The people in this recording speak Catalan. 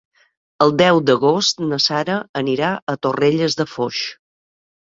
El deu d'agost na Sara anirà a Torrelles de Foix.